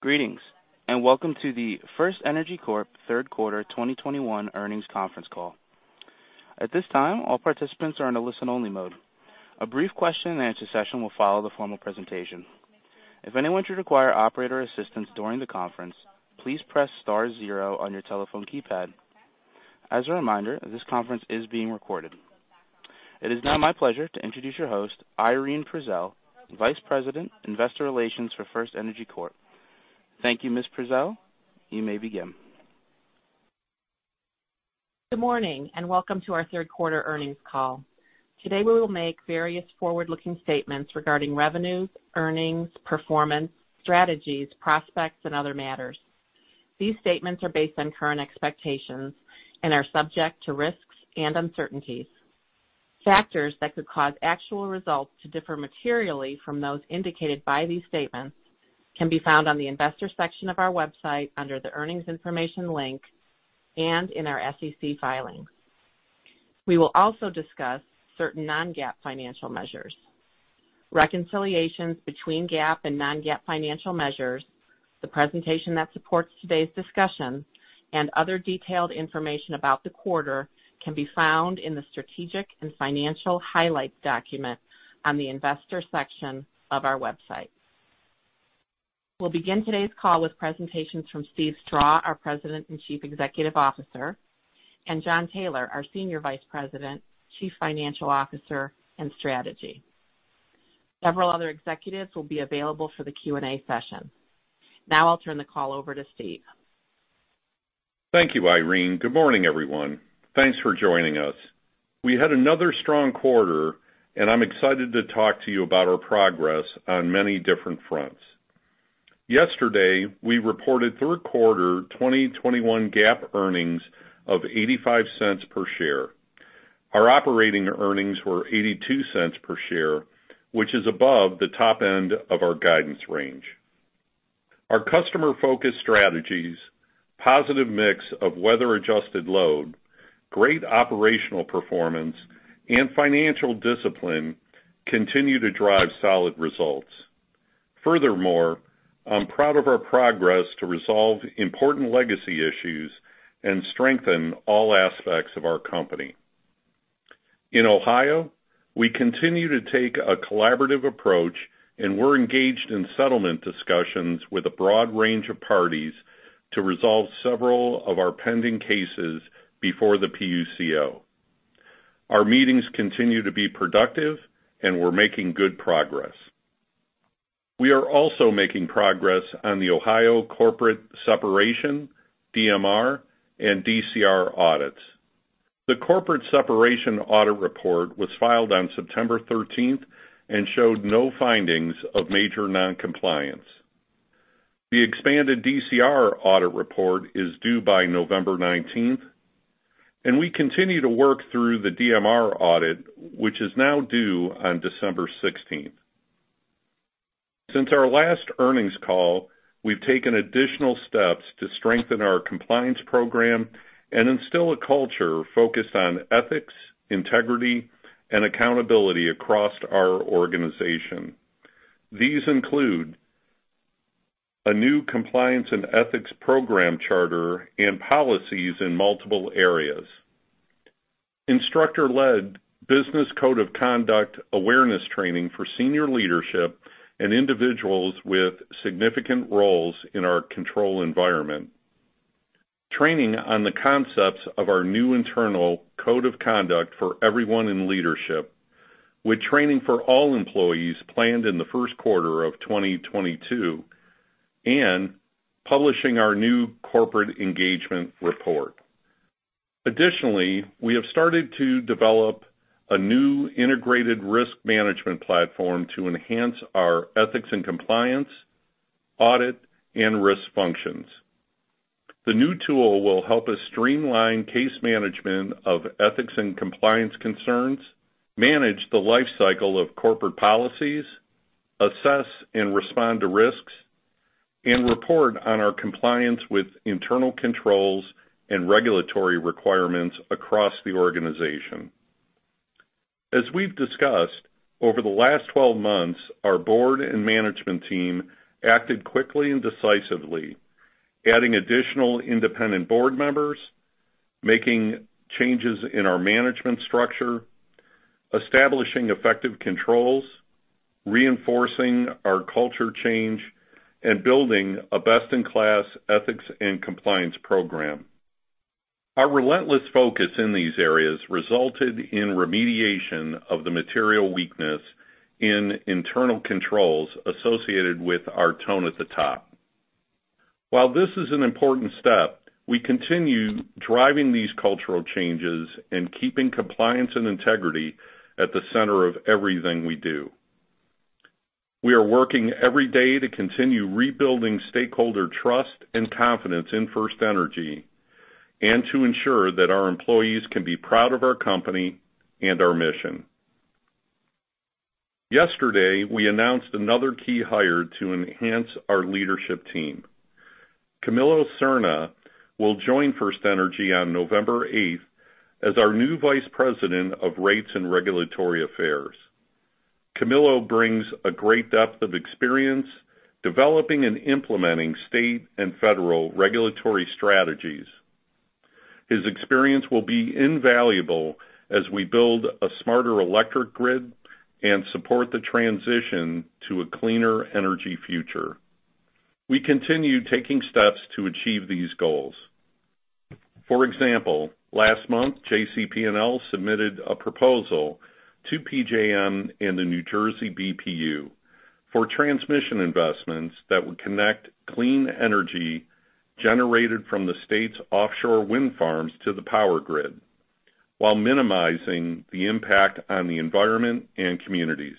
Greetings, and welcome to the FirstEnergy Corp. third quarter 2021 earnings conference call. At this time, all participants are in a listen-only mode. A brief question-and-answer session will follow the formal presentation. If anyone should require operator assistance during the conference, please press star zero on your telephone keypad. As a reminder, this conference is being recorded. It is now my pleasure to introduce your host, Irene Prezelj, Vice President, Investor Relations for FirstEnergy Corp. Thank you, Ms. Prezelj. You may begin. Good morning, and welcome to our third quarter earnings call. Today, we will make various forward-looking statements regarding revenues, earnings, performance, strategies, prospects, and other matters. These statements are based on current expectations and are subject to risks and uncertainties. Factors that could cause actual results to differ materially from those indicated by these statements can be found on the investor section of our website under the Earnings Information link and in our SEC filings. We will also discuss certain non-GAAP financial measures. Reconciliations between GAAP and non-GAAP financial measures, the presentation that supports today's discussion, and other detailed information about the quarter can be found in the Strategic and Financial Highlights document on the investor section of our website. We'll begin today's call with presentations from Steven Strah, our President and Chief Executive Officer and Jon Taylor, our Senior Vice President, Chief Financial Officer and Strategy. Several other executives will be available for the Q&A session. Now I'll turn the call over to Steve. Thank you, Irene. Good morning, everyone. Thanks for joining us. We had another strong quarter, and I'm excited to talk to you about our progress on many different fronts. Yesterday, we reported third quarter 2021 GAAP earnings of $0.85 per share. Our operating earnings were $0.82 per share, which is above the top end of our guidance range. Our customer-focused strategies, positive mix of weather-adjusted load, great operational performance, and financial discipline continue to drive solid results. Furthermore, I'm proud of our progress to resolve important legacy issues and strengthen all aspects of our company. In Ohio, we continue to take a collaborative approach, and we're engaged in settlement discussions with a broad range of parties to resolve several of our pending cases before the PUCO. Our meetings continue to be productive, and we're making good progress. We are also making progress on the Ohio corporate separation, DMR, and DCR audits. The corporate separation audit report was filed on September thirteenth and showed no findings of major noncompliance. The expanded DCR audit report is due by November nineteenth, and we continue to work through the DMR audit, which is now due on December sixteenth. Since our last earnings call, we've taken additional steps to strengthen our compliance program and instill a culture focused on ethics, integrity, and accountability across our organization. These include a new compliance and ethics program charter and policies in multiple areas, instructor-led business code of conduct awareness training for senior leadership and individuals with significant roles in our control environment. Training on the concepts of our new internal code of conduct for everyone in leadership, with training for all employees planned in the first quarter of 2022, and publishing our new corporate engagement report. Additionally, we have started to develop a new integrated risk management platform to enhance our ethics and compliance, audit, and risk functions. The new tool will help us streamline case management of ethics and compliance concerns, manage the lifecycle of corporate policies, assess and respond to risks, and report on our compliance with internal controls and regulatory requirements across the organization. As we've discussed, over the last 12 months, our board and management team acted quickly and decisively, adding additional independent board members, making changes in our management structure, establishing effective controls, reinforcing our culture change, and building a best-in-class ethics and compliance program. Our relentless focus in these areas resulted in remediation of the material weakness in internal controls associated with our tone at the top. While this is an important step, we continue driving these cultural changes and keeping compliance and integrity at the center of everything we do. We are working every day to continue rebuilding stakeholder trust and confidence in FirstEnergy, and to ensure that our employees can be proud of our company and our mission. Yesterday, we announced another key hire to enhance our leadership team. Camilo Serna will join FirstEnergy on November eighth as our new Vice President of Rates and Regulatory Affairs. Camilo brings a great depth of experience developing and implementing state and federal regulatory strategies. His experience will be invaluable as we build a smarter electric grid and support the transition to a cleaner energy future. We continue taking steps to achieve these goals. For example, last month, JCP&L submitted a proposal to PJM and the New Jersey BPU for transmission investments that would connect clean energy generated from the state's offshore wind farms to the power grid, while minimizing the impact on the environment and communities.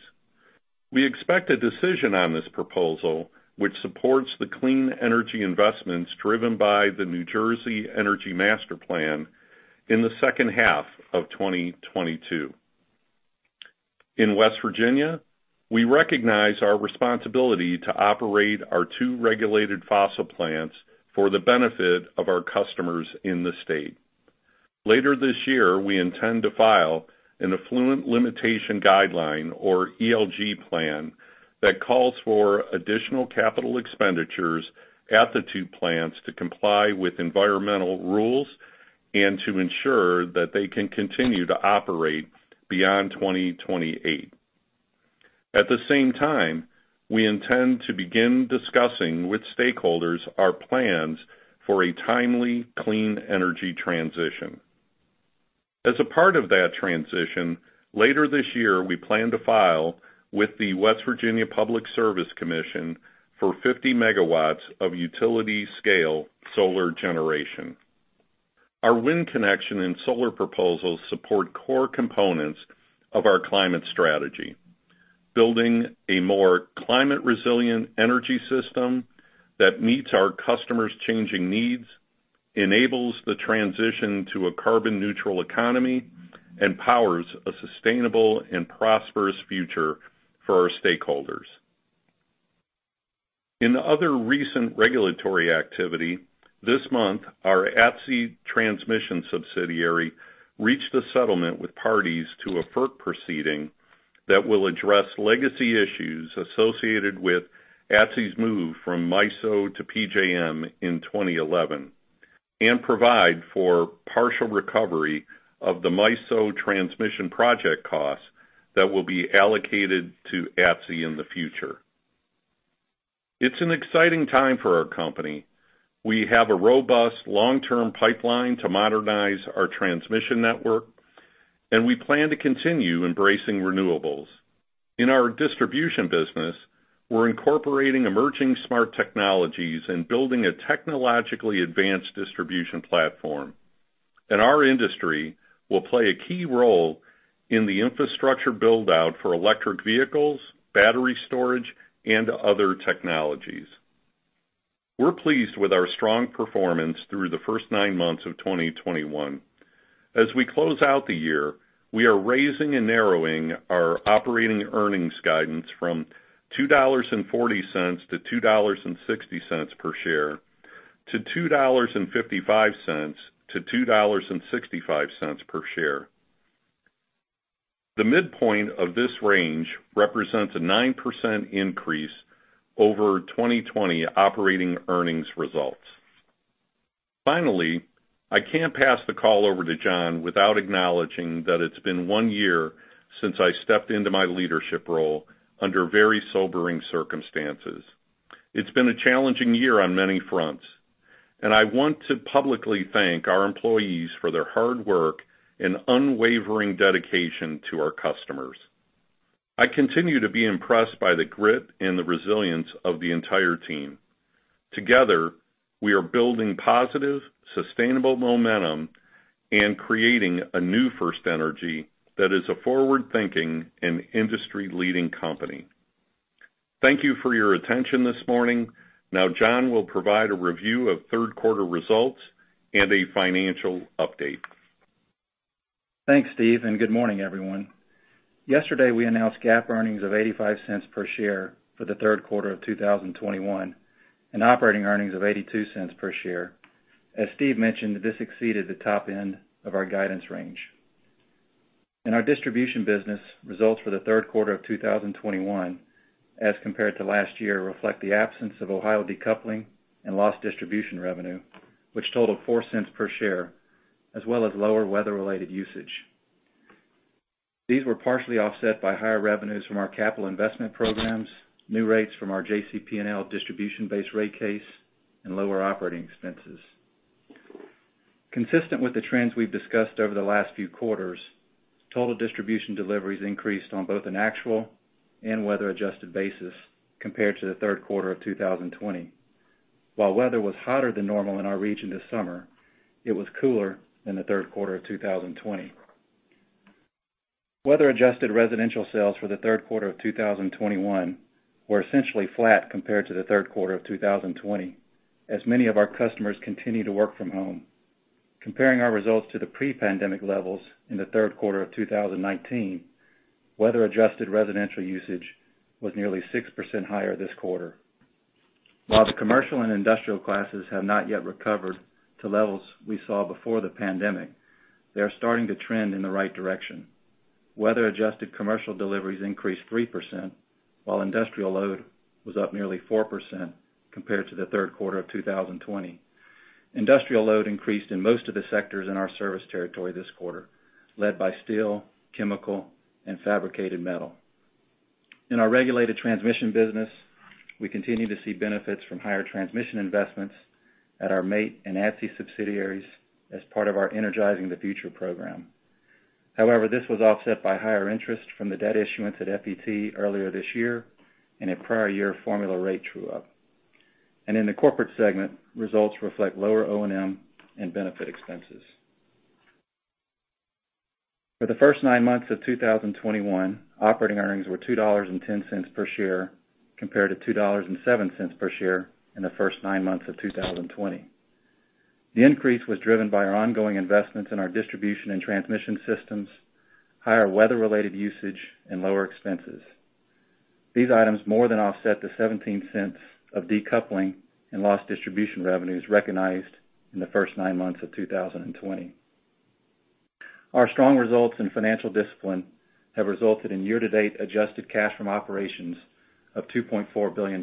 We expect a decision on this proposal, which supports the clean energy investments driven by the New Jersey Energy Master Plan in the second half of 2022. In West Virginia, we recognize our responsibility to operate our two regulated fossil plants for the benefit of our customers in the state. Later this year, we intend to file an Effluent Limitation Guideline or ELG plan that calls for additional capital expenditures at the two plants to comply with environmental rules and to ensure that they can continue to operate beyond 2028. At the same time, we intend to begin discussing with stakeholders our plans for a timely, clean energy transition. As a part of that transition, later this year, we plan to file with the Public Service Commission of West Virginia for 50 MW of utility scale solar generation. Our wind connection and solar proposals support core components of our climate strategy, building a more climate resilient energy system that meets our customers' changing needs, enables the transition to a carbon neutral economy, and powers a sustainable and prosperous future for our stakeholders. In other recent regulatory activity, this month, our ATSI transmission subsidiary reached a settlement with parties to a FERC proceeding that will address legacy issues associated with ATSI's move from MISO to PJM in 2011, and provide for partial recovery of the MISO transmission project costs that will be allocated to ATSI in the future. It's an exciting time for our company. We have a robust long-term pipeline to modernize our transmission network, and we plan to continue embracing renewables. In our distribution business, we're incorporating emerging smart technologies and building a technologically advanced distribution platform. In our industry, we'll play a key role in the infrastructure build-out for electric vehicles, battery storage, and other technologies. We're pleased with our strong performance through the first nine months of 2021. As we close out the year, we are raising and narrowing our operating earnings guidance from $2.40-$2.60 per share to $2.55-$2.65 per share. The midpoint of this range represents a 9% increase over 2020 operating earnings results. Finally, I can't pass the call over to Jon without acknowledging that it's been one year since I stepped into my leadership role under very sobering circumstances. It's been a challenging year on many fronts, and I want to publicly thank our employees for their hard work and unwavering dedication to our customers. I continue to be impressed by the grit and the resilience of the entire team. Together, we are building positive, sustainable momentum and creating a new FirstEnergy that is a forward-thinking and industry-leading company. Thank you for your attention this morning. Now Jon will provide a review of third quarter results and a financial update. Thanks, Steve, and good morning, everyone. Yesterday, we announced GAAP earnings of $0.85 per share for the third quarter of 2021 and operating earnings of $0.82 per share. As Steve mentioned, this exceeded the top end of our guidance range. In our distribution business, results for the third quarter of 2021 as compared to last year, reflect the absence of Ohio decoupling and lost distribution revenue, which totaled $0.04 per share, as well as lower weather-related usage. These were partially offset by higher revenues from our capital investment programs, new rates from our JCP&L distribution-based rate case, and lower operating expenses. Consistent with the trends we've discussed over the last few quarters, total distribution deliveries increased on both an actual and weather-adjusted basis compared to the third quarter of 2020. While weather was hotter than normal in our region this summer, it was cooler in the third quarter of 2020. Weather-adjusted residential sales for the third quarter of 2021 were essentially flat compared to the third quarter of 2020 as many of our customers continue to work from home. Comparing our results to the pre-pandemic levels in the third quarter of 2019, weather-adjusted residential usage was nearly 6% higher this quarter. While the commercial and industrial classes have not yet recovered to levels we saw before the pandemic, they are starting to trend in the right direction. Weather-adjusted commercial deliveries increased 3%, while industrial load was up nearly 4% compared to the third quarter of 2020. Industrial load increased in most of the sectors in our service territory this quarter, led by steel, chemical, and fabricated metal. In our regulated transmission business, we continue to see benefits from higher transmission investments at our MAIT and ATSI subsidiaries as part of our Energizing the Future program. However, this was offset by higher interest from the debt issuance at FET earlier this year and a prior year formula rate true-up. In the corporate segment, results reflect lower O&M and benefit expenses. For the first nine months of 2021, operating earnings were $2.10 per share compared to $2.07 per share in the first nine months of 2020. The increase was driven by our ongoing investments in our distribution and transmission systems, higher weather-related usage, and lower expenses. These items more than offset the $0.17 of decoupling and lost distribution revenues recognized in the first nine months of 2020. Our strong results and financial discipline have resulted in year-to-date adjusted cash from operations of $2.4 billion,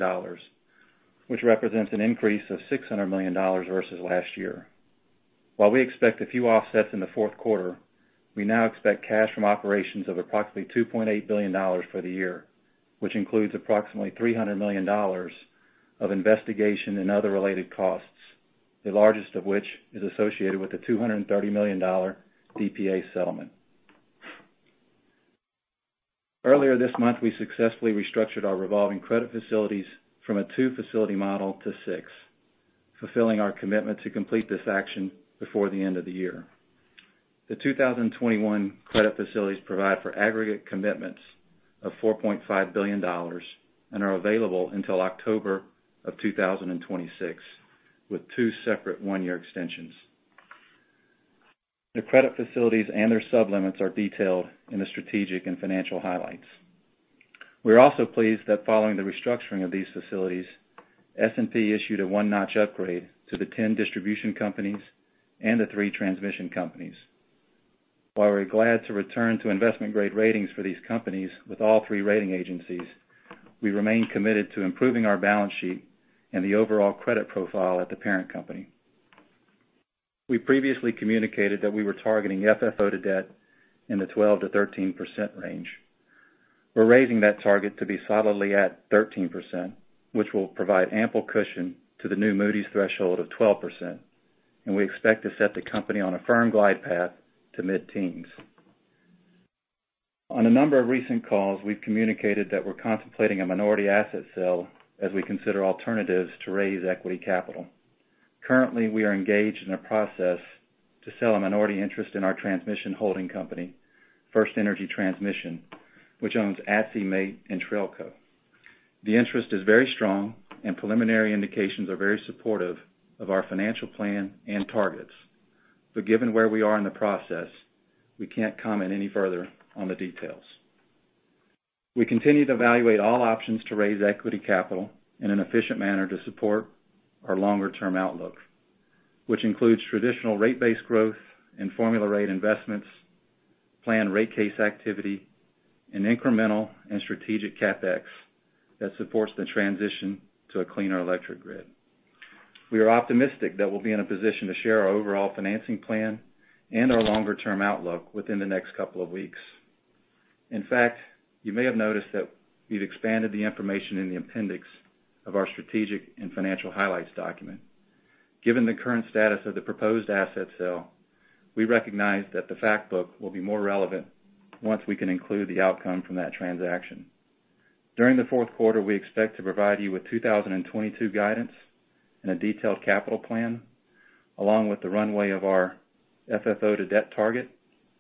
which represents an increase of $600 million versus last year. While we expect a few offsets in the fourth quarter, we now expect cash from operations of approximately $2.8 billion for the year, which includes approximately $300 million of investigation and other related costs, the largest of which is associated with the $230 million DPA settlement. Earlier this month, we successfully restructured our revolving credit facilities from a 2-facility model to 6, fulfilling our commitment to complete this action before the end of the year. The 2021 credit facilities provide for aggregate commitments of $4.5 billion and are available until October 2026, with two separate 1-year extensions. The credit facilities and their sublimits are detailed in the strategic and financial highlights. We're also pleased that following the restructuring of these facilities, S&P issued a one-notch upgrade to the 10 distribution companies and the 3 transmission companies. While we're glad to return to investment-grade ratings for these companies with all three rating agencies, we remain committed to improving our balance sheet and the overall credit profile at the parent company. We previously communicated that we were targeting FFO to debt in the 12%-13% range. We're raising that target to be solidly at 13%, which will provide ample cushion to the new Moody's threshold of 12%, and we expect to set the company on a firm glide path to mid-teens. On a number of recent calls, we've communicated that we're contemplating a minority asset sale as we consider alternatives to raise equity capital. Currently, we are engaged in a process to sell a minority interest in our transmission holding company, FirstEnergy Transmission, which owns ATSI, MAIT, and TrAILCo. The interest is very strong, and preliminary indications are very supportive of our financial plan and targets. Given where we are in the process, we can't comment any further on the details. We continue to evaluate all options to raise equity capital in an efficient manner to support our longer-term outlook, which includes traditional rate-based growth and formula rate investments, planned rate case activity, and incremental and strategic CapEx that supports the transition to a cleaner electric grid. We are optimistic that we'll be in a position to share our overall financing plan and our longer-term outlook within the next couple of weeks. In fact, you may have noticed that we've expanded the information in the appendix of our strategic and financial highlights document. Given the current status of the proposed asset sale, we recognize that the fact book will be more relevant once we can include the outcome from that transaction. During the fourth quarter, we expect to provide you with 2022 guidance and a detailed capital plan, along with the runway of our FFO to debt target,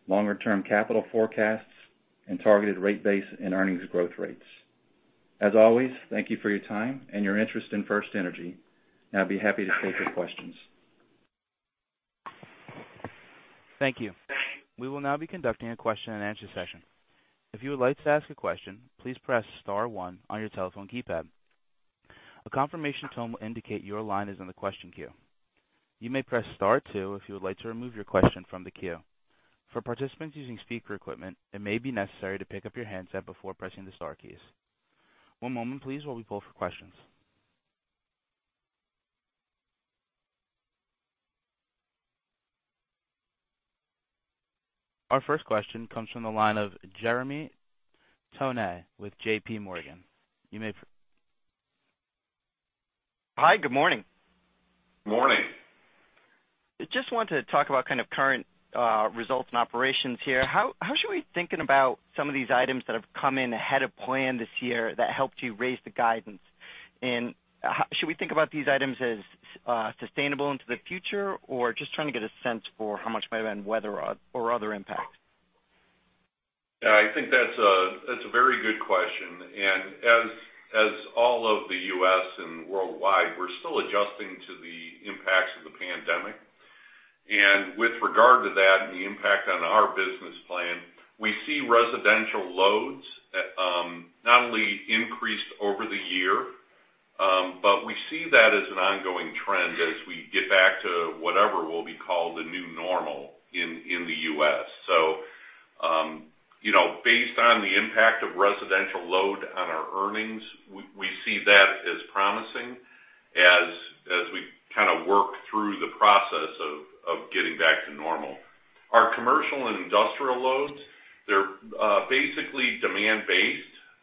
longer-term capital forecasts, and targeted rate base and earnings growth rates. As always, thank you for your time and your interest in FirstEnergy. I'd be happy to take your questions. Thank you. We will now be conducting a question-and-answer session. If you would like to ask a question, please press star one on your telephone keypad. A confirmation tone will indicate your line is in the question queue. You may press star two if you would like to remove your question from the queue. For participants using speaker equipment, it may be necessary to pick up your handset before pressing the star keys. One moment please while we poll for questions. Our first question comes from the line of Jeremy Tonet with J.P. Morgan. Hi, good morning. Morning. Just wanted to talk about kind of current results and operations here. How should we be thinking about some of these items that have come in ahead of plan this year that helped you raise the guidance? How should we think about these items as sustainable into the future, or just trying to get a sense for how much might have been weather or other impact? Yeah, I think that's a very good question. As all of the U.S. and worldwide, we're still adjusting to the impacts of the pandemic. With regard to that and the impact on our business plan, we see residential loads not only increased over the year, but we see that as an ongoing trend as we get back to whatever will be called the new normal in the U.S. You know, based on the impact of residential load on our earnings, we see that as promising as we kind of work through the process of getting back to normal. Our commercial and industrial loads, they're basically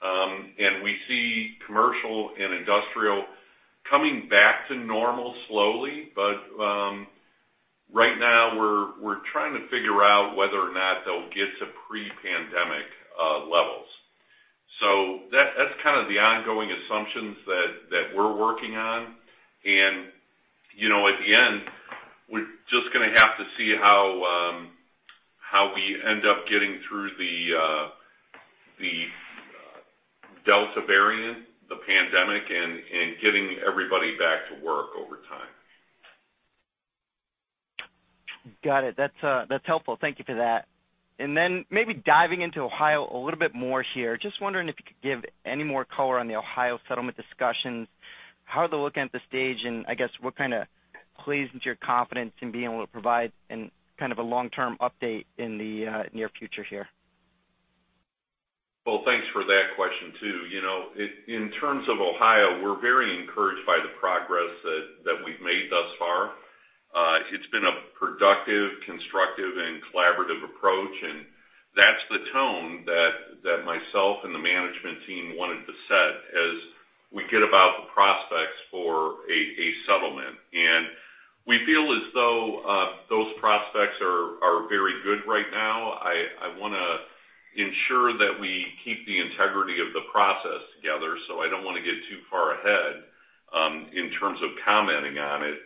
demand-based. We see commercial and industrial coming back to normal slowly. Right now we're trying to figure out whether or not they'll get to pre-pandemic levels. That's kind of the ongoing assumptions that we're working on. You know, at the end, we're just gonna have to see how we end up getting through the Delta variant, the pandemic and getting everybody back to work over time. Got it. That's helpful. Thank you for that. Maybe diving into Ohio a little bit more here. Just wondering if you could give any more color on the Ohio settlement discussions, how they're looking at this stage, and I guess what kind of pleases your confidence in being able to provide a kind of a long-term update in the near future here. Well, thanks for that question too. You know, in terms of Ohio, we're very encouraged by the progress that we've made thus far. It's been a productive, constructive, and collaborative approach, and that's the tone that myself and the management team wanted to set as we go about the prospects for a settlement. We feel as though those prospects are very good right now. I wanna ensure that we keep the integrity of the process together, so I don't wanna get too far ahead in terms of commenting on it.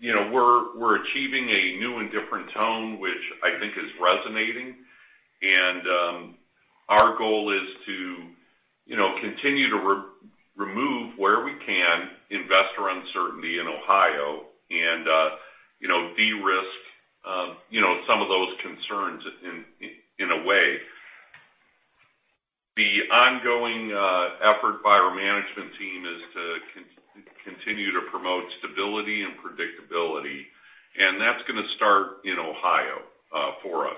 You know, we're achieving a new and different tone, which I think is resonating. Our goal is to, you know, continue to remove where we can investor uncertainty in Ohio and, you know, de-risk, you know, some of those concerns in a way. The ongoing effort by our management team is to continue to promote stability and predictability, and that's gonna start in Ohio for us.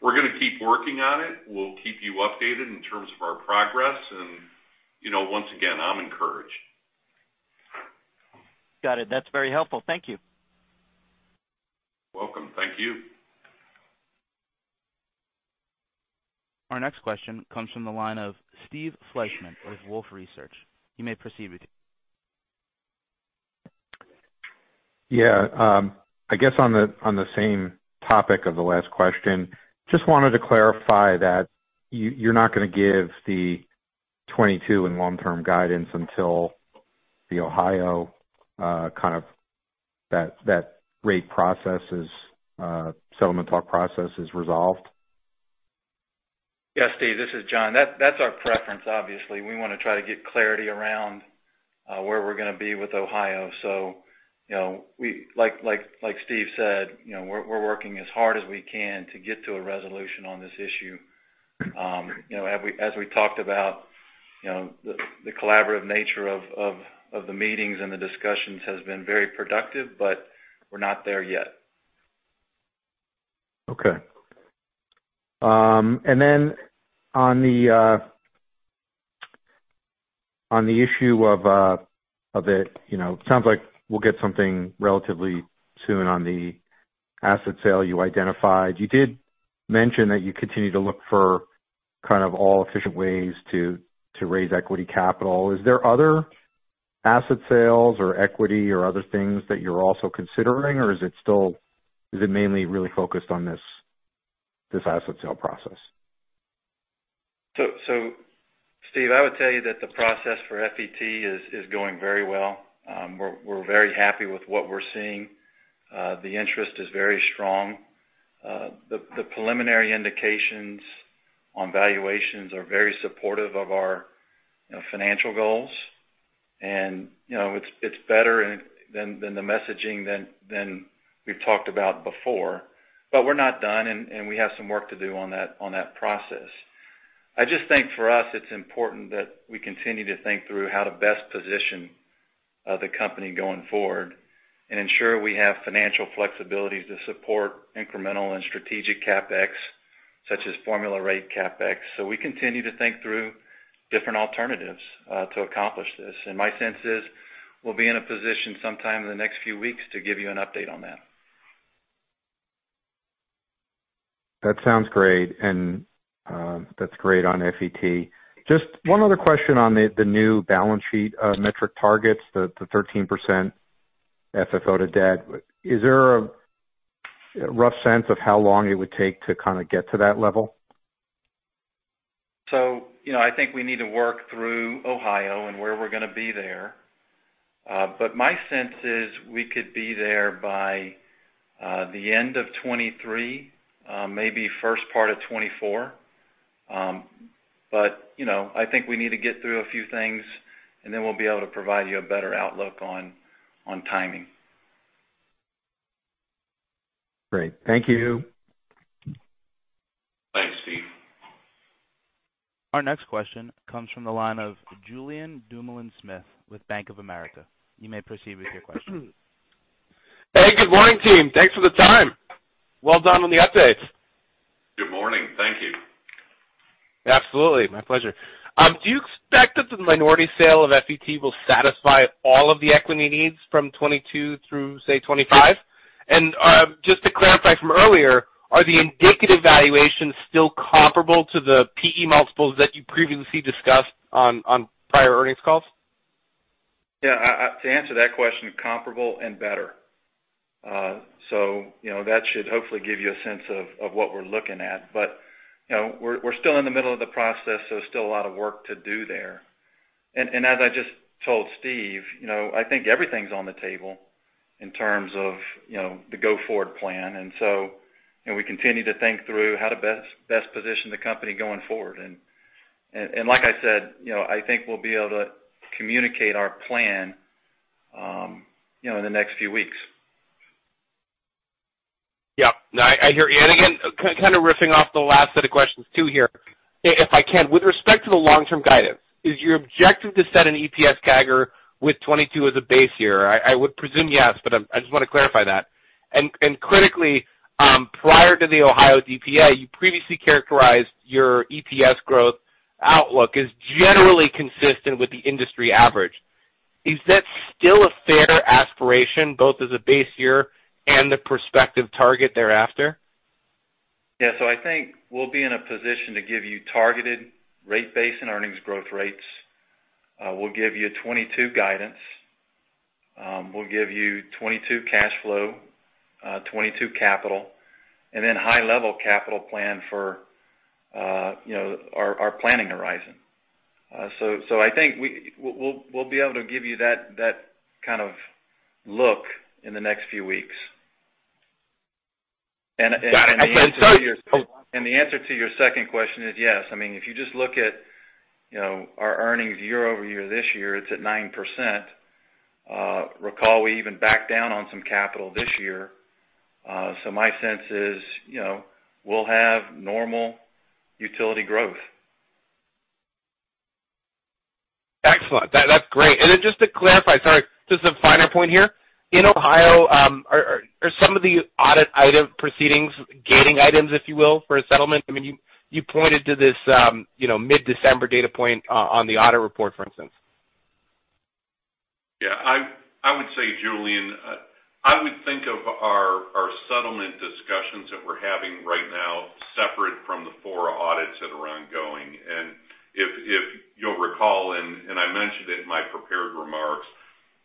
We're gonna keep working on it. We'll keep you updated in terms of our progress. You know, once again, I'm encouraged. Got it. That's very helpful. Thank you. Welcome. Thank you. Our next question comes from the line of Steve Fleishman of Wolfe Research. You may proceed with it. Yeah. I guess on the same topic of the last question, just wanted to clarify that you're not gonna give the 2022 and long-term guidance until the Ohio kind of that rate process, settlement talks process, is resolved. Yeah, Steve, this is Jon. That's our preference, obviously. We wanna try to get clarity around where we're gonna be with Ohio. You know, like Steve said, you know, we're working as hard as we can to get to a resolution on this issue. You know, as we talked about, you know, the collaborative nature of the meetings and the discussions has been very productive, but we're not there yet. Okay. On the issue of it, you know, sounds like we'll get something relatively soon on the asset sale you identified. You did mention that you continue to look for kind of all efficient ways to raise equity capital. Is there other asset sales or equity or other things that you're also considering, or is it still mainly really focused on this asset sale process? Steve, I would tell you that the process for FET is going very well. We're very happy with what we're seeing. The interest is very strong. The preliminary indications on valuations are very supportive of our, you know, financial goals. You know, it's better than the messaging than we've talked about before. We're not done and we have some work to do on that process. I just think for us it's important that we continue to think through how to best position the company going forward and ensure we have financial flexibility to support incremental and strategic CapEx, such as formula rate CapEx. We continue to think through different alternatives to accomplish this. My sense is we'll be in a position sometime in the next few weeks to give you an update on that. That sounds great. That's great on FET. Just one other question on the new balance sheet metric targets, the 13% FFO to debt. Is there a rough sense of how long it would take to kind of get to that level? You know, I think we need to work through Ohio and where we're gonna be there. My sense is we could be there by the end of 2023, maybe first part of 2024. You know, I think we need to get through a few things, and then we'll be able to provide you a better outlook on timing. Great. Thank you. Thanks, Steve. Our next question comes from the line of Julien Dumoulin-Smith with Bank of America. You may proceed with your question. Hey, good morning, team. Thanks for the time. Well done on the updates. Good morning. Thank you. Absolutely. My pleasure. Do you expect that the minority sale of FET will satisfy all of the equity needs from 2022 through, say, 2025? Just to clarify from earlier, are the indicative valuations still comparable to the P/E multiples that you previously discussed on prior earnings calls? Yeah. To answer that question, comparable and better. You know, that should hopefully give you a sense of what we're looking at. You know, we're still in the middle of the process, still a lot of work to do there. As I just told Steve, you know, I think everything's on the table in terms of you know, the go forward plan. You know, we continue to think through how to best position the company going forward. Like I said, you know, I think we'll be able to communicate our plan, you know, in the next few weeks. No, I hear you. Again, kind of riffing off the last set of questions too here, if I can, with respect to the long-term guidance, is your objective to set an EPS CAGR with 2022 as a base year? I would presume yes, but I just want to clarify that. Critically, prior to the Ohio DPA, you previously characterized your EPS growth outlook as generally consistent with the industry average. Is that still a fair aspiration, both as a base year and the prospective target thereafter? Yeah. I think we'll be in a position to give you targeted rate base and earnings growth rates. We'll give you 2022 guidance. We'll give you 2022 cash flow, 2022 capital and then high-level capital plan for our planning horizon. I think we'll be able to give you that kind of look in the next few weeks. The answer to your- Got it. I appreciate the time. The answer to your second question is yes. I mean, if you just look at, you know, our earnings year-over-year this year, it's at 9%. Recall we even backed down on some capital this year. My sense is, you know, we'll have normal utility growth. Excellent. That's great. Just to clarify, sorry, just a finer point here. In Ohio, are some of the audit item proceedings gaining items, if you will, for a settlement? I mean, you pointed to this, you know, mid-December data point on the audit report, for instance. Yeah. I would say, Julien, I would think of our settlement discussions that we're having right now separate from the four audits that are ongoing. If you'll recall, I mentioned it in my prepared remarks,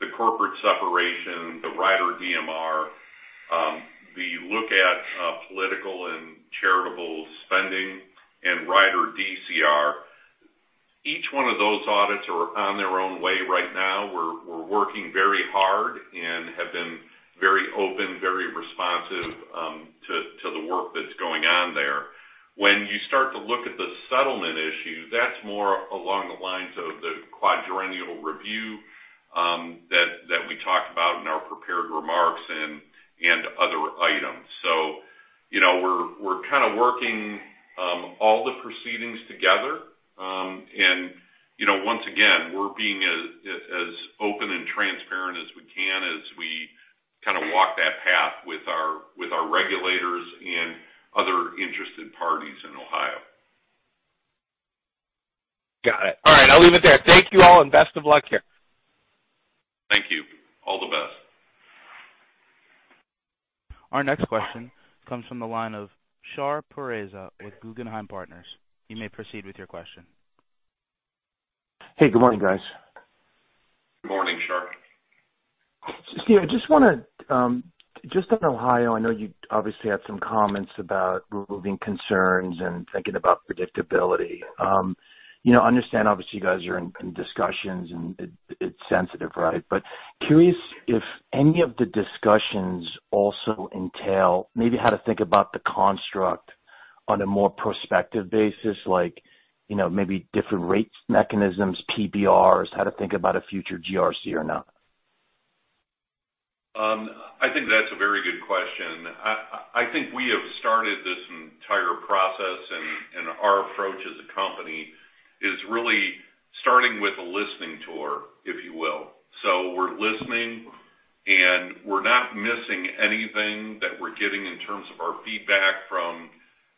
the corporate separation, the Rider DMR, the look at political and charitable spending and Rider DCR, each one of those audits are on their own way right now. We're working very hard and have been very open, very responsive to the work that's going on there. When you start to look at the settlement issue, that's more along the lines of the quadrennial review that we talked about in our prepared remarks and other items. You know, we're kind of working all the proceedings together. You know, once again, we're being as open and transparent as we can as we kind of walk that path with our regulators and other interested parties in Ohio. Got it. All right, I'll leave it there. Thank you all, and best of luck here. Thank you. All the best. Our next question comes from the line of Shar Pourreza with Guggenheim Partners. You may proceed with your question. Hey, Good morning, guys. Good morning, Shar. Steve, I just wanna just on Ohio, I know you obviously had some comments about removing concerns and thinking about predictability. You know, I understand obviously you guys are in discussions and it's sensitive, right? Curious if any of the discussions also entail maybe how to think about the construct on a more prospective basis, like, you know, maybe different rates mechanisms, PBRs, how to think about a future GRC or not. I think that's a very good question. I think we have started this entire process, and our approach as a company is really starting with a listening tour, if you will. We're listening, and we're not missing anything that we're getting in terms of our feedback from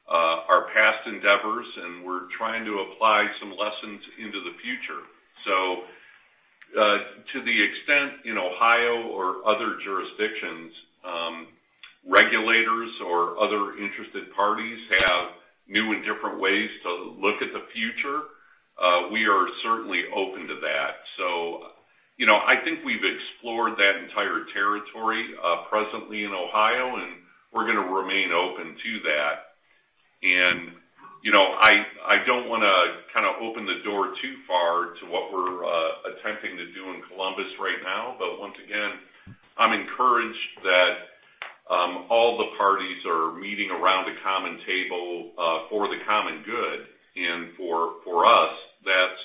our past endeavors, and we're trying to apply some lessons into the future. To the extent in Ohio or other jurisdictions, regulators or other interested parties have new and different ways to look at the future. We are certainly open to that. You know, I think we've explored that entire territory, presently in Ohio, and we're gonna remain open to that. You know, I don't wanna kinda open the door too far to what we're attempting to do in Columbus right now. Once again, I'm encouraged that all the parties are meeting around a common table for the common good. For us, that's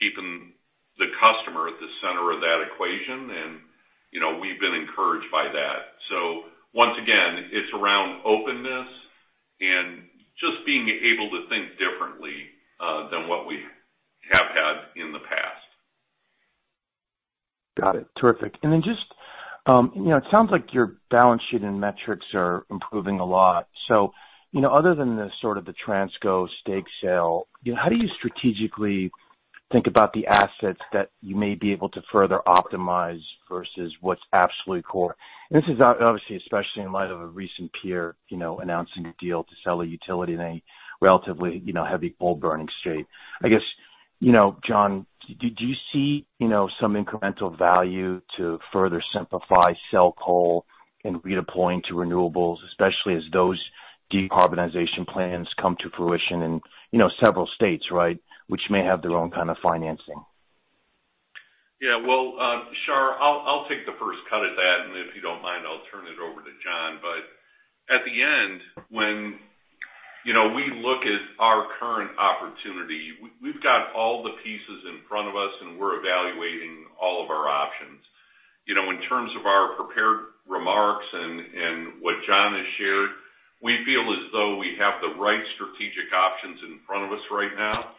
keeping the customer at the center of that equation. You know, we've been encouraged by that. Once again, it's around openness and just being able to think differently than what we have had in the past. Got it. Terrific. Then just, you know, it sounds like your balance sheet and metrics are improving a lot. Other than sort of the TransCo stake sale, you know, how do you strategically think about the assets that you may be able to further optimize versus what's absolutely core? This is obviously especially in light of a recent peer, you know, announcing a deal to sell a utility in a relatively, you know, heavy coal burning state. I guess, you know, Jon, do you see, you know, some incremental value to further simplify, sell coal, and redeploy into renewables, especially as those decarbonization plans come to fruition in, you know, several states, right? Which may have their own kind of financing. Yeah. Well, Shar, I'll take the first cut at that, and if you don't mind, I'll turn it over to Jon. At the end, when you know, we look at our current opportunity, we've got all the pieces in front of us, and we're evaluating all of our options. You know, in terms of our prepared remarks and what Jon has shared, we feel as though we have the right strategic options in front of us right now.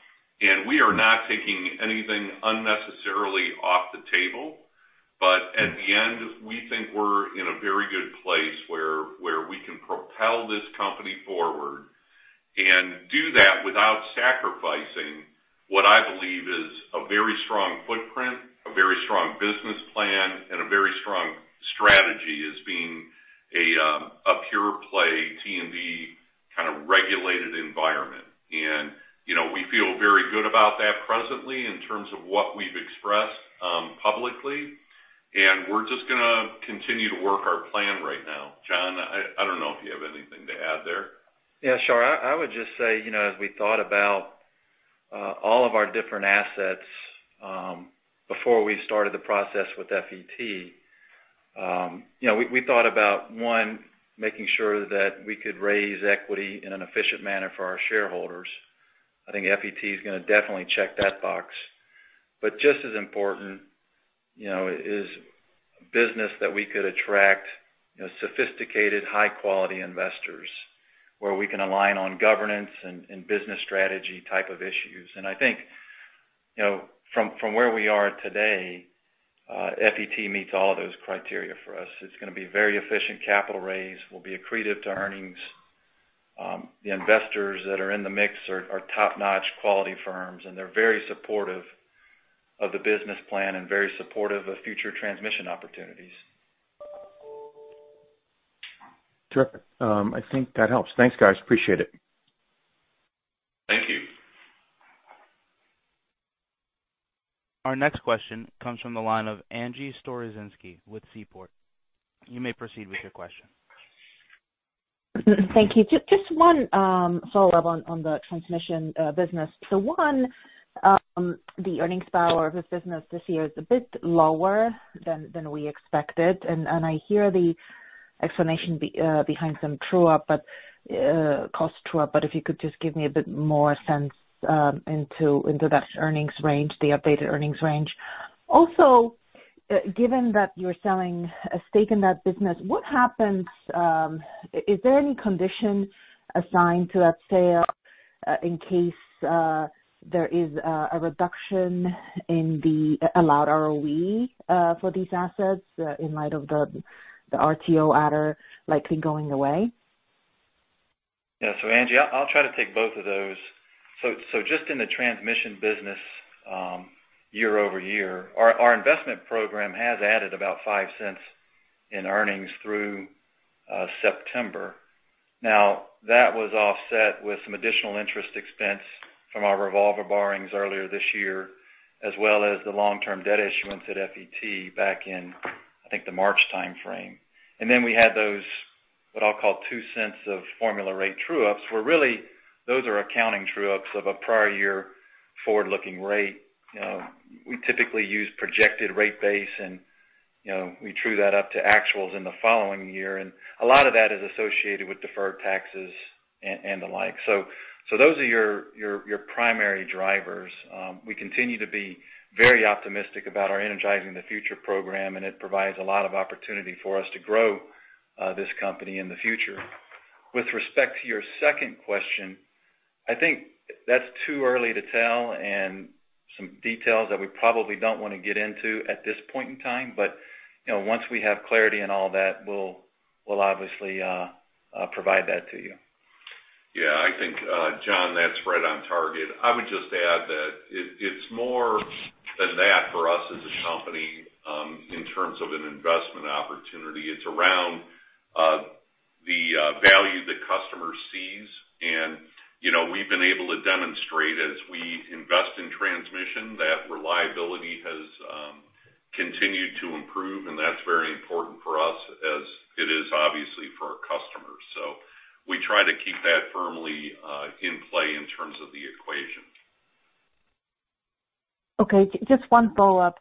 We are not taking anything unnecessarily off the table. At the end, we think we're in a very good place where we can propel this company forward and do that without sacrificing what I believe is a very strong footprint, a very strong business plan, and a very strong strategy as being a pure play T&D kinda regulated environment. You know, we feel very good about that presently in terms of what we've expressed publicly. We're just gonna continue to work our plan right now. Jon, I don't know if you have anything to add there. Yeah, Shar, I would just say, you know, as we thought about all of our different assets before we started the process with FET, you know, we thought about, one, making sure that we could raise equity in an efficient manner for our shareholders. I think FET is gonna definitely check that box. But just as important, you know, is business that we could attract, you know, sophisticated, high quality investors where we can align on governance and business strategy type of issues. I think, you know, from where we are today, FET meets all of those criteria for us. It's gonna be very efficient capital raise, will be accretive to earnings. The investors that are in the mix are top-notch quality firms, and they're very supportive of the business plan and very supportive of future transmission opportunities. Terrific. I think that helps. Thanks, guys. Appreciate it. Thank you. Our next question comes from the line of Angie Storozynski with Seaport. You may proceed with your question. Thank you. Just one follow-up on the transmission business. The earnings power of this business this year is a bit lower than we expected. I hear the explanation behind some true-up, but cost true-up, but if you could just give me a bit more sense of that earnings range, the updated earnings range. Also, given that you're selling a stake in that business, what happens, is there any condition assigned to that sale, in case there is a reduction in the allowed ROE for these assets, in light of the RTO adder likely going away? Angie, I'll try to take both of those. Just in the transmission business, year-over-year, our investment program has added about $0.05 in earnings through September. Now, that was offset with some additional interest expense from our revolver borrowings earlier this year, as well as the long-term debt issuance at FET back in the March timeframe. We had those, what I'll call $0.02 of formula rate true-ups, where really those are accounting true-ups of a prior year forward-looking rate. You know, we typically use projected rate base and, you know, we true that up to actuals in the following year. A lot of that is associated with deferred taxes and the like. Those are your primary drivers. We continue to be very optimistic about our Energizing the Future program, and it provides a lot of opportunity for us to grow this company in the future. With respect to your second question, I think that's too early to tell and some details that we probably don't wanna get into at this point in time. You know, once we have clarity in all that, we'll obviously provide that to you. Yeah. I think, Jon, that's right on target. I would just add that it's more than that for us as a company, in terms of an investment opportunity. It's around the value customers see. You know, we've been able to demonstrate as we invest in transmission, that reliability has continued to improve, and that's very important for us as it is obviously for our customers. We try to keep that firmly in play in terms of the equation. Just one follow-up.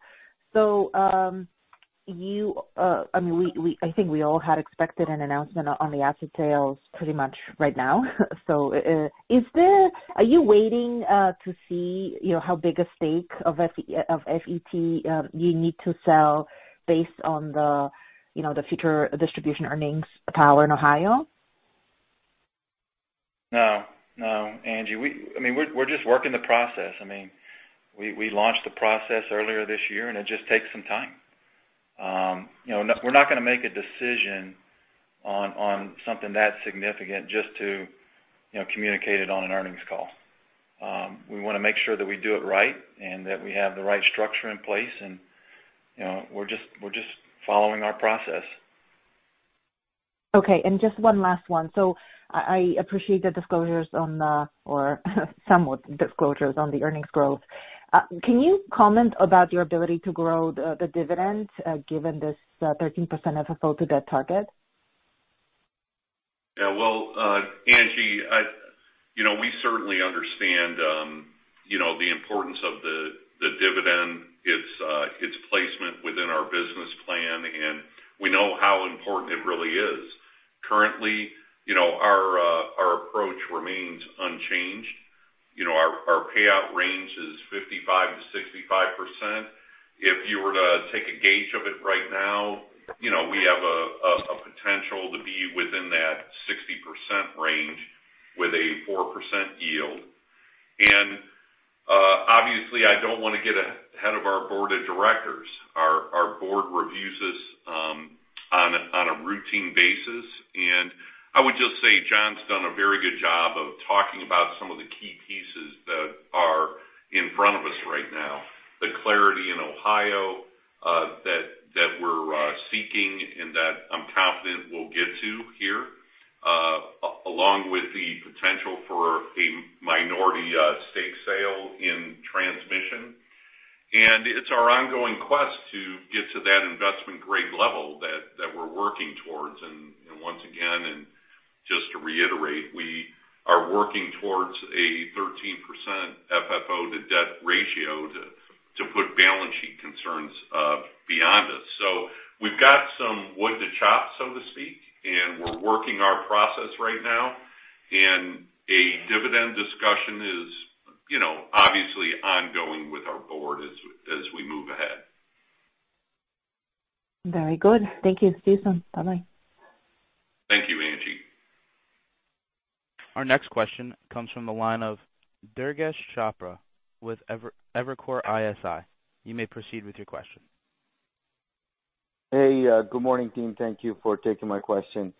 I mean, we all had expected an announcement on the asset sales pretty much right now. Are you waiting to see, you know, how big a stake of FET you need to sell based on, you know, the future distribution earnings power in Ohio? No, no, Angie. I mean, we're just working the process. I mean, we launched the process earlier this year, and it just takes some time. You know, we're not gonna make a decision on something that significant just to communicate it on an earnings call. We wanna make sure that we do it right and that we have the right structure in place. You know, we're just following our process. Okay. Just one last one. I appreciate the somewhat disclosures on the earnings growth. Can you comment about your ability to grow the dividend given this 13% FFO to debt target? Yeah. Well, Angie, you know, we certainly understand the importance of the dividend, its placement within our business plan, and we know how important it really is. Currently, you know, our approach remains unchanged. You know, our payout range is 55%-65%. If you were to take a gauge of it right now, you know, we have a potential to be within that 60% range with a 4% yield. Obviously, I don't wanna get ahead of our board of directors. Our board reviews us on a routine basis. I would just say Jon's done a very good job of talking about some of the key pieces that are in front of us right now. The clarity in Ohio that we're seeking and that I'm confident we'll get to here along with the potential for a minority stake sale in transmission. It's our ongoing quest to get to that investment grade level that we're working towards. Once again, just to reiterate, we are working towards a 13% FFO to debt ratio to put balance sheet concerns beyond us. We've got some wood to chop, so to speak, and we're working our process right now. A dividend discussion is, you know, obviously ongoing with our board as we move ahead. Very good. Thank you, Susan. Bye-bye. Thank you, Angie. Our next question comes from the line of Durgesh Chopra with Evercore ISI. You may proceed with your question. Hey, good morning, team. Thank you for taking my question.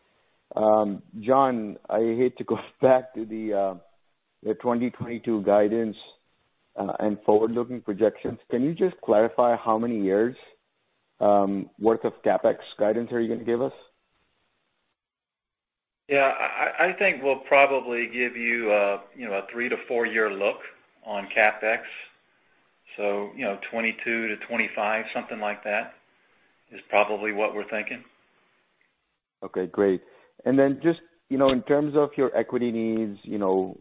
Jon, I hate to go back to the 2022 guidance and forward-looking projections. Can you just clarify how many years worth of CapEx guidance are you gonna give us? Yeah. I think we'll probably give you a, you know, a 3-4-year look on CapEx. You know, 2022-2025, something like that, is probably what we're thinking. Okay. Great. Then just, you know, in terms of your equity needs, you know,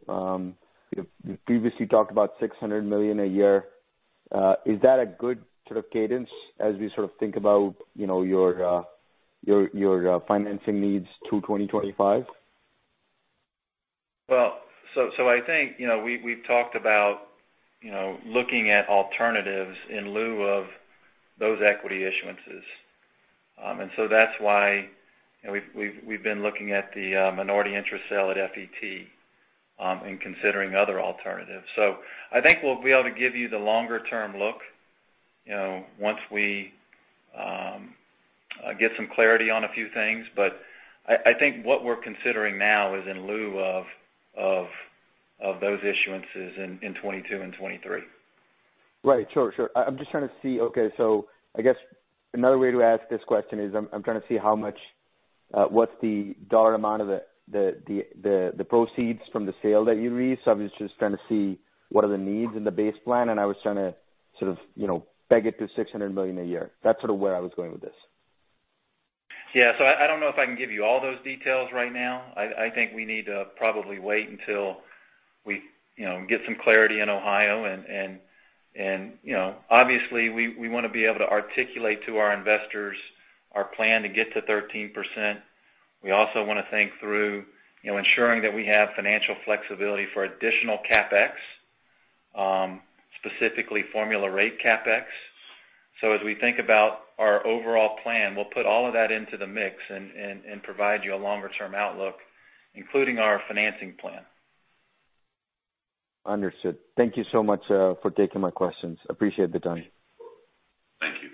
you previously talked about $600 million a year. Is that a good sort of cadence as we sort of think about, you know, your financing needs to 2025? Well, I think, you know, we've talked about, you know, looking at alternatives in lieu of those equity issuances. That's why, you know, we've been looking at the minority interest sale at FET and considering other alternatives. I think we'll be able to give you the longer term look, you know, once we get some clarity on a few things. I think what we're considering now is in lieu of those issuances in 2022 and 2023. Right. Sure, sure. I'm just trying to see. Okay. I guess another way to ask this question is I'm trying to see how much, what's the dollar amount of the proceeds from the sale that you released. I was just trying to see what are the needs in the base plan, and I was trying to sort of, you know, peg it to $600 million a year. That's sort of where I was going with this. Yeah. I don't know if I can give you all those details right now. I think we need to probably wait until we you know get some clarity in Ohio and you know obviously we wanna be able to articulate to our investors our plan to get to 13%. We also wanna think through you know ensuring that we have financial flexibility for additional CapEx specifically formula rate CapEx. As we think about our overall plan, we'll put all of that into the mix and provide you a longer term outlook, including our financing plan. Understood. Thank you so much for taking my questions. Appreciate the time. Thank you.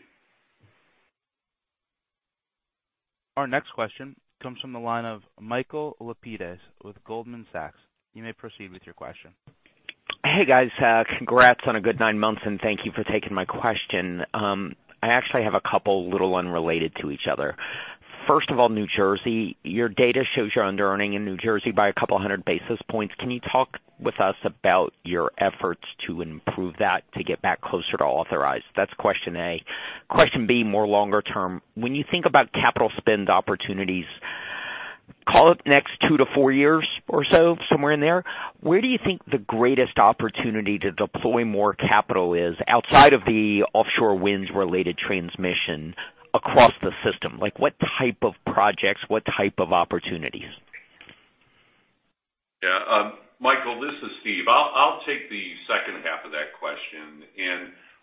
Our next question comes from the line of Michael Lapides with Goldman Sachs. You may proceed with your question. Hey guys, congrats on a good nine months, and thank you for taking my question. I actually have a couple little unrelated to each other. First of all, New Jersey. Your data shows you're under earning in New Jersey by a couple hundred basis points. Can you talk with us about your efforts to improve that to get back closer to authorized? That's question A. Question B, more longer term, when you think about capital spend opportunities, call it the next two to four years or so, somewhere in there, where do you think the greatest opportunity to deploy more capital is outside of the offshore winds-related transmission across the system? Like what type of projects, what type of opportunities? Yeah. Michael, this is Steve. I'll take the second half of that question.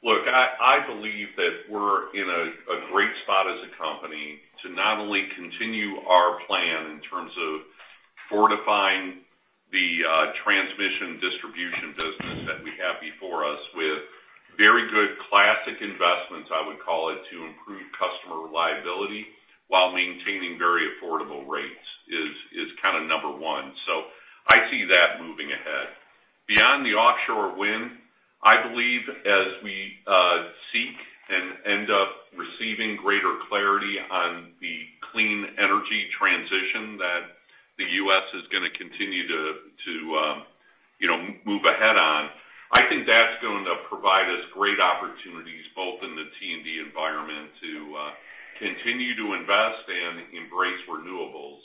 Look, I believe that we're in a great spot as a company to not only continue our plan in terms of fortifying the transmission distribution business that we have before us with very good classic investments, I would call it, to improve customer reliability while maintaining very affordable rates is kind of number one. I see that moving ahead. Beyond the offshore wind, I believe as we seek and end up receiving greater clarity on the clean energy transition that the U.S. is gonna continue to move ahead on, I think that's going to provide us great opportunities, both in the T&D environment to continue to invest and embrace renewables.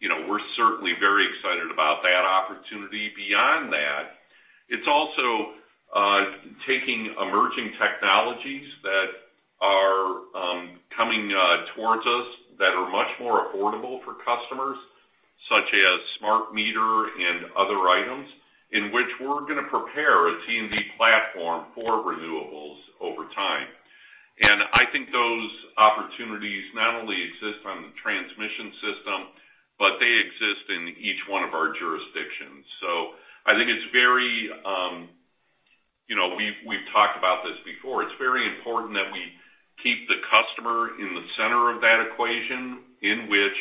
You know, we're certainly very excited about that opportunity. Beyond that, it's also taking emerging technologies that are coming towards us that are much more affordable for customers such as smart meter and other items in which we're gonna prepare a T&D platform for renewables over time. I think those opportunities not only exist on the transmission system, but they exist in each one of our jurisdictions. I think it's very important, you know, we've talked about this before, that we keep the customer in the center of that equation in which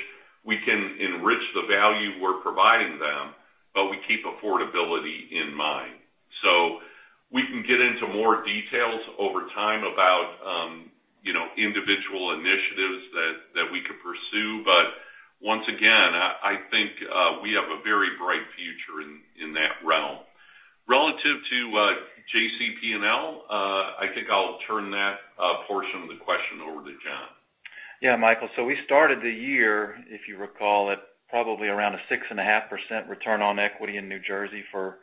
we can enrich the value we're providing them, but we keep affordability in mind. We can get into more details over time about, you know, individual initiatives that we could pursue. Once again, I think we have a very bright future in that realm. Relative to JCP&L, I think I'll turn that portion of the question over to John. Yeah, Michael, we started the year, if you recall, at probably around 6.5% return on equity in New Jersey for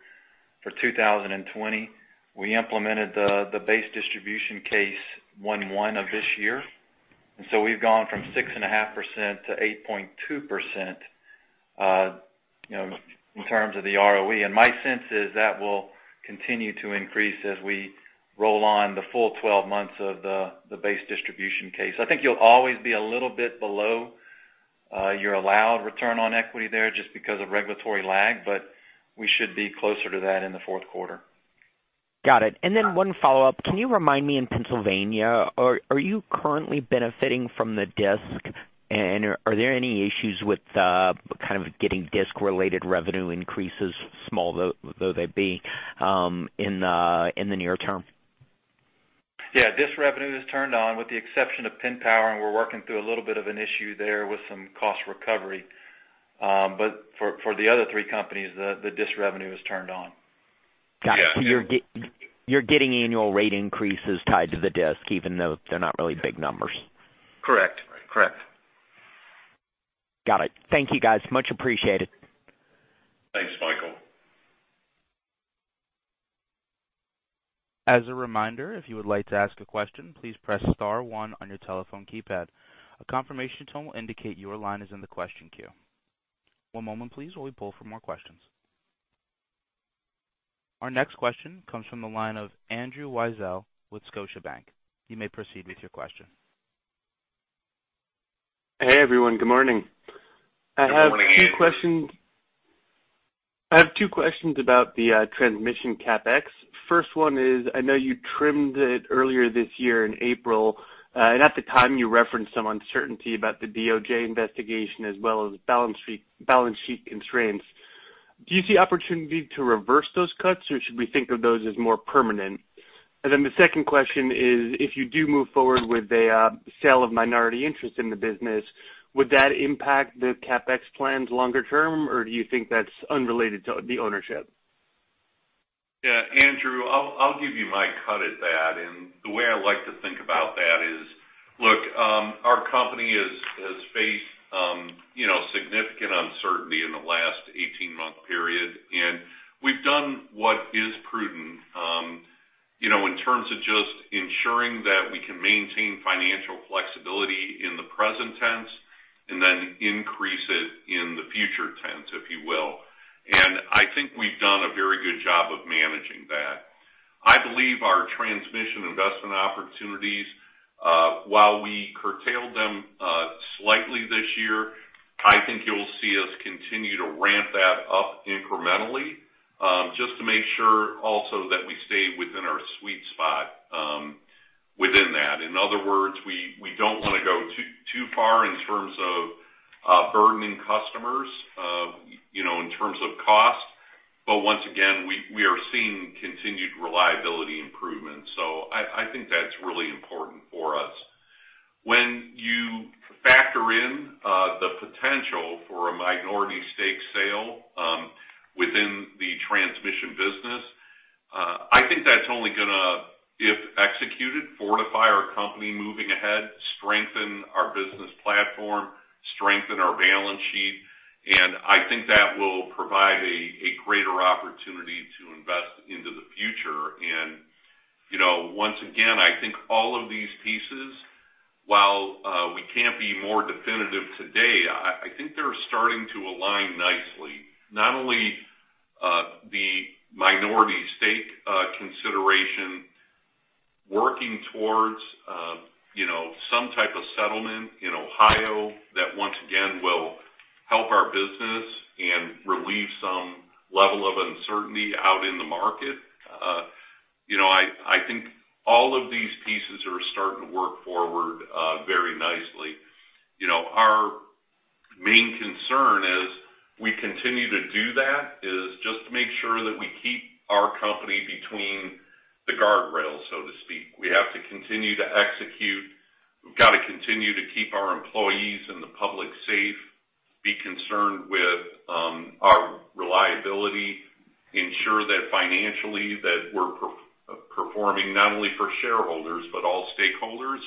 2020. We implemented the base distribution case 101 of this year. We've gone from 6.5% to 8.2%, you know, in terms of the ROE, and my sense is that will continue to increase as we roll out the full 12 months of the base distribution case. I think we'll always be a little bit below our allowed return on equity there just because of regulatory lag, but we should be closer to that in the fourth quarter. Got it. One follow-up. Can you remind me, in Pennsylvania, are you currently benefiting from the DISC, and are there any issues with kind of getting DISC-related revenue increases, small though they be, in the near term? Yeah. DISC revenue is turned on with the exception of Penn Power, and we're working through a little bit of an issue there with some cost recovery. For the other three companies, the DISC revenue is turned on. Yeah. Got it. You're getting annual rate increases tied to the DISC, even though they're not really big numbers. Correct. Correct. Got it. Thank you, guys. Much appreciated. Thanks, Michael. As a reminder, if you would like to ask a question, please press star one on your telephone keypad. A confirmation tone will indicate your line is in the question queue. One moment please, while we pull for more questions. Our next question comes from the line of Andrew Weisel with Scotiabank. You may proceed with your question. Hey, everyone. Good morning. Good morning, Andrew. I have two questions about the transmission CapEx. First one is, I know you trimmed it earlier this year in April, and at the time you referenced some uncertainty about the DOJ investigation as well as balance sheet constraints. Do you see opportunity to reverse those cuts, or should we think of those as more permanent? The second question is, if you do move forward with a sale of minority interest in the business, would that impact the CapEx plans longer term, or do you think that's unrelated to the ownership? Yeah. Andrew, I'll give you my cut at that. The way I like to think about that is, look, our company has faced, you know, significant uncertainty in the last 18-month period, and we've done what is prudent, you know, in terms of just ensuring that we can maintain financial flexibility in the present tense and then increase it in the future tense, if you will. I think we've done a very good job of managing that. I believe our transmission investment opportunities, while we curtailed them slightly this year, I think you'll see us continue to ramp that up incrementally, just to make sure also that we stay within our sweet spot within that. In other words, we don't wanna go too far in terms of burdening customers, you know, in terms of cost. Once again, we are seeing continued reliability improvements, so I think that's really important for us. When you factor in the potential for a minority stake sale within the transmission business, I think that's only gonna, if executed, fortify our company moving ahead, strengthen our business platform, strengthen our balance sheet, and I think that will provide a greater opportunity to invest into the future. You know, once again, I think all of these pieces, while we can't be more definitive today, I think they're starting to align nicely. Not only the minority stake consideration working towards you know, some type of settlement in Ohio that once again will help our business and relieve some level of uncertainty out in the market. You know, I think all of these pieces are starting to work forward, very nicely. You know, our main concern as we continue to do that is just to make sure that we keep our company between the guard rails, so to speak. We have to continue to execute. We've gotta continue to keep our employees and the public safe, be concerned with our reliability, ensure that financially that we're performing, not only for shareholders, but all stakeholders.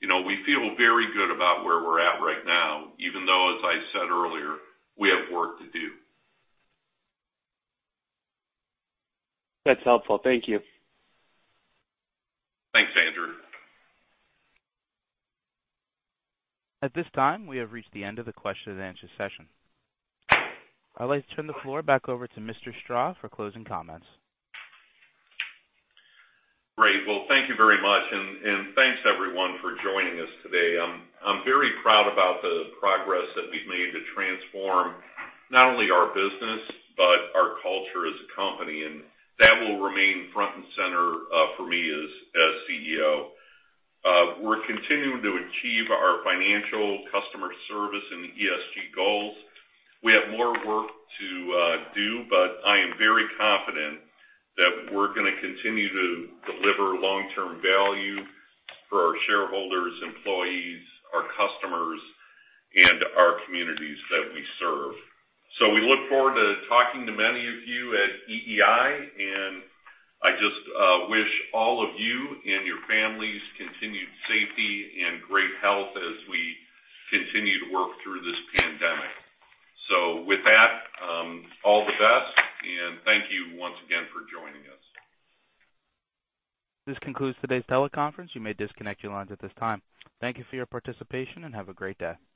You know, we feel very good about where we're at right now, even though, as I said earlier, we have work to do. That's helpful. Thank you. Thanks, Andrew. At this time, we have reached the end of the question-and-answer session. I'd like to turn the floor back over to Mr. Strah for closing comments. Great. Well, thank you very much. Thanks, everyone, for joining us today. I'm very proud about the progress that we've made to transform not only our business, but our culture as a company. That will remain front and center for me as CEO. We're continuing to achieve our financial customer service and ESG goals. We have more work to do, but I am very confident that we're gonna continue to deliver long-term value for our shareholders, employees, our customers, and our communities that we serve. We look forward to talking to many of you at EEI, and I just wish all of you and your families continued safety and great health as we continue to work through this pandemic. With that, all the best and thank you once again for joining us. This concludes today's teleconference. You may disconnect your lines at this time. Thank you for your participation, and have a great day.